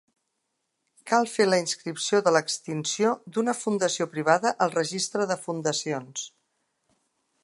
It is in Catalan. Cal fer la inscripció de l'extinció d'una fundació privada al Registre de fundacions.